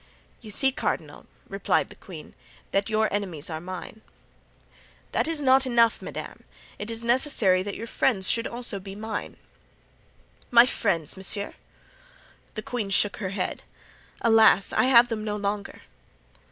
"You see, cardinal," replied the queen, "that your enemies are mine." "That is not enough madame, it is necessary that your friends should be also mine." "My friends, monsieur?" The queen shook her head. "Alas, I have them no longer!"